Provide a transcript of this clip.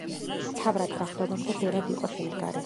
მთავრად გახდომამდე ბერად იყო შემდგარი.